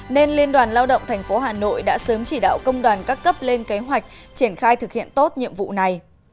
nên liên đoàn lao động tp hà nội đã sớm chỉ đạo công đoàn các cấp lên kế hoạch triển khai thực hiện tốt nhiệm vụ này